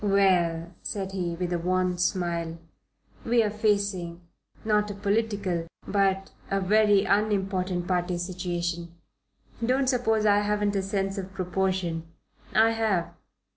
"Well," said he, with a wan smile, "we're facing, not a political, but a very unimportant party situation. Don't suppose I haven't a sense of proportion. I have.